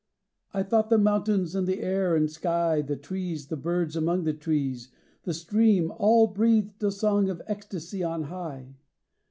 I tho't the mountains and the air and sky, The trees, the birds among the trees, the stream, All breathed a song of ecstacy on high.